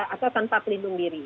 atau tanpa pelindung diri